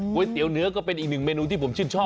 ๋วเนื้อก็เป็นอีกหนึ่งเมนูที่ผมชื่นชอบ